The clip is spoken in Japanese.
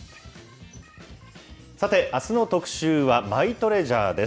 さて、あすの特集はマイトレジャーです。